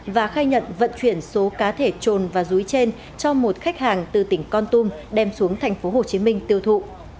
và khai nhận vận chuyển số cá thể trồn và rúi trên cho một khách hàng từ tỉnh con tum đem xuống tp hcm tiêu thụ